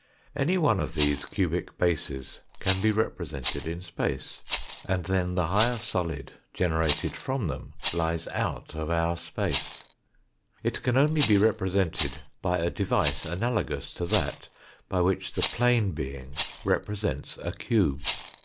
Any one of these cubic bases can be represented in space, and then the higher solid generated from them lies out of 98 THE FOURTH DIMENSION our space. It can only be represented by a device analogous to that by which the plane being represents a cube.